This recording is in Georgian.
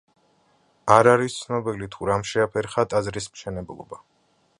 არ არის ცნობილი თუ რამ შეაფერხა ტაძრის მშენებლობა.